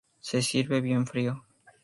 Se sirve bien frío.